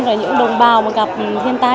và những đồng bào gặp thiên tai